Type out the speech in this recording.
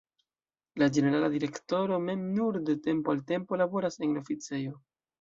La ĝenerala direktoro mem nur de tempo al tempo laboras en la oficejo.